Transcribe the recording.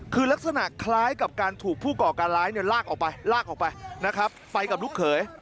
คือลักษณะคล้ายกับการถูกผู้ก่อการร้ายลากออกไปไปกับลูกเขย